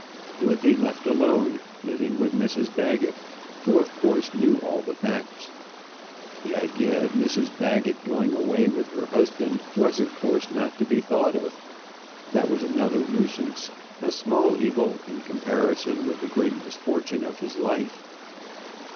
He would be left alone, living with Mrs Baggett, who of course knew all the facts. The idea of Mrs Baggett going away with her husband was of course not to be thought of. That was another nuisance, a small evil in comparison with the great misfortune of his life.